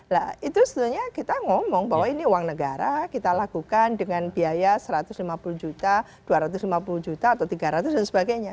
nah itu sebenarnya kita ngomong bahwa ini uang negara kita lakukan dengan biaya satu ratus lima puluh juta dua ratus lima puluh juta atau tiga ratus dan sebagainya